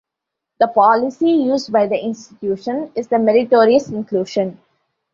The policy used by the institution is the "meritorious inclusion".